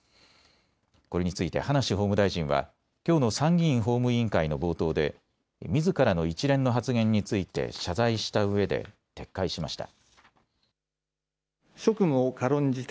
これについて葉梨法務大臣はきょうの参議院法務委員会の冒頭でみずからの一連の発言について謝罪したうえで撤回しました。